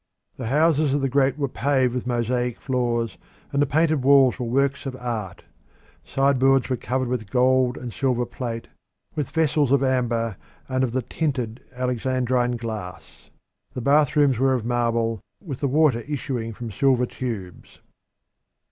The houses of the great were paved with mosaic floors, and the painted walls were works of art: sideboards were covered with gold and silver plate, with vessels of amber and of the tinted Alexandrine glass. The bathrooms were of marble, with the water issuing from silver tubes.